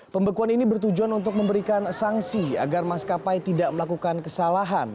pembekuan ini bertujuan untuk memberikan sanksi agar maskapai tidak melakukan kesalahan